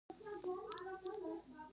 نو ته پخپله تر ما ښه پوهېږي.